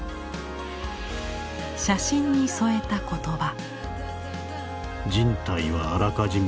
写真に添えた言葉。